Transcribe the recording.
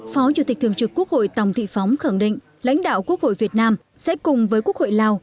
phó chủ tịch thường trực quốc hội tòng thị phóng khẳng định lãnh đạo quốc hội việt nam sẽ cùng với quốc hội lào